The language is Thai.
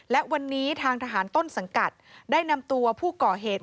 และวันนี้ทางทหารต้นสังกัดได้นำตัวผู้ก่อเหตุ